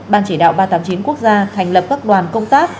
ban chỉ đạo ba trăm tám mươi chín quốc gia thành lập các đoàn công tác